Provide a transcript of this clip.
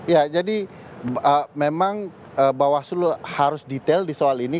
ya jadi memang bawaslu harus detail di soal ini